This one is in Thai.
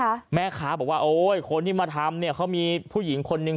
ค่ะแม่ค้าบอกว่าโอ้ยคนที่มาทำเนี้ยเขามีผู้หญิงคนนึง